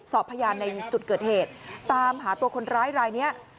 สอบพยานในจุดเกิดเหตุตามหาตัวคนร้ายรายนี้